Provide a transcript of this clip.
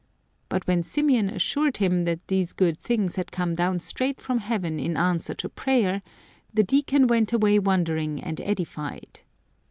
But when Symeon assured him that these good things had come down straight from heaven in answer to prayer, the Deacon went away wondering and edified.